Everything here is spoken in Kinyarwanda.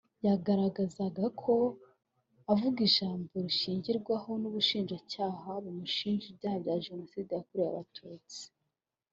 yagaragazaga ko avuga ijambo rishingirwaho n’Ubushinjacyaha bumushinja ibyaha bya Jenoside yakorewe Abatutsi